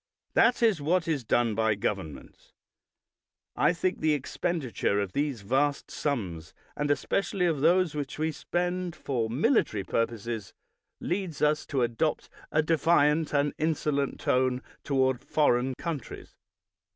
That is what is done by governments. I think the expenditure of these vast sums, and especially of those which we spend for 232 BRIGHT military purposes, leads us to adopt a defiant and insolent tone toward foreign countries.